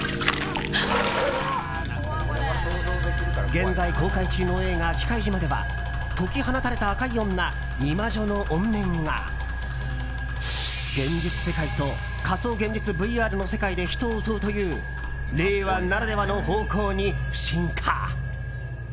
現在公開中の映画「忌怪島／きかいじま」では解き放たれた赤い女イマジョの怨念が現実世界と仮想現実ＶＲの世界で人を襲うという令和ならではの方向に進化！